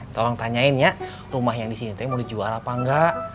tolong tanyain ya rumah yang di sini mau dijual apa enggak